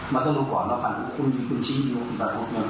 มันต้องรู้ก่อนมันต้องฝันว่าคุณอยู่คุณชิ้นอยู่คุณฝันว่าคุณจะคอกได้ยังไง